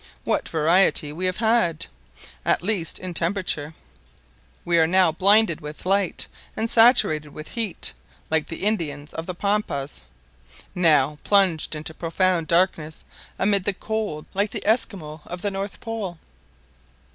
What variety we have had, at least in temperature. Now we are blinded with light and saturated with heat, like the Indians of the Pampas! now plunged into profound darkness, amid the cold, like the Esquimaux of the north pole.